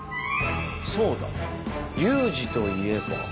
そうだ有事といえば。